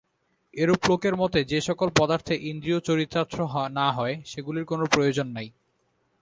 এরূপ লোকের মতে যে-সকল পদার্থে ইন্দ্রিয় চরিতার্থ না হয়, সেগুলির কোন প্রয়োজন নাই।